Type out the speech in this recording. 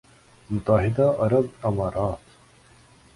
متحدہ عرب امارات